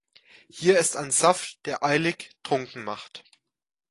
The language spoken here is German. Hier ist ein Saft, der eilig trunken macht.